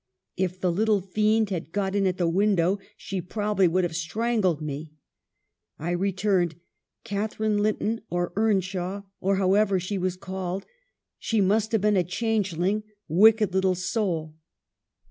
"'If the little fiend had got in at the window she probably would have strangled me,' I re turned. ...' Catharine Linton or Earnshaw, or however she was called — she must have been a changeling, wicked little soul